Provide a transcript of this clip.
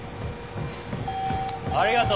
ありがとう。